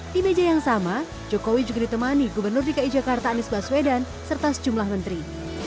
di meja yang sama jokowi juga ditemani gubernur dki jakarta anies baswedan serta sejumlah menteri